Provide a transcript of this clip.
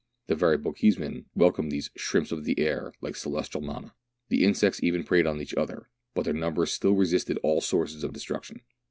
The very Bochjesmen welcomed these "shrimps of the air" like celestial manna ; the insects even preyed on each other, but their numbers still resisted all sources of destruction.